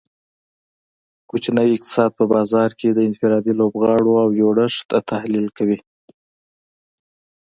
کوچنی اقتصاد په بازار کې د انفرادي لوبغاړو او جوړښت تحلیل کوي